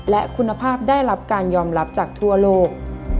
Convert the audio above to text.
และคุณภาพได้รับการยอมรับจากทั่วโลก